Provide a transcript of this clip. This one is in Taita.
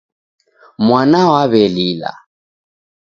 Mwana waw'elila